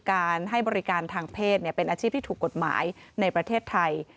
การให้บริการทางเพศเป็นอาชีพที่ถูกกฎหมายในประเทศไทย